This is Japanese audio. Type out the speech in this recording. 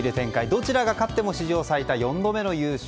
どちらが勝っても史上最多４度目の優勝。